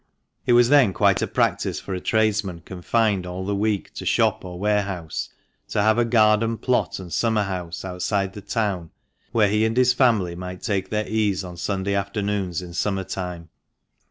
It was then quite a practice for a tradesman confined all the week to shop or warehouse to have a garden plot and 474 .b'lXAL APPENDIX. summer house outside the town where he and his family might take their ease on Sunday afternoons in summer time.